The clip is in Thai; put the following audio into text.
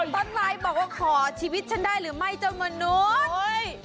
ต้นไม้บอกว่าขอชีวิตฉันได้หรือไม่เจ้ามนุษย์